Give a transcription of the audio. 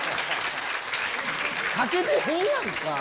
かけてへんやんか。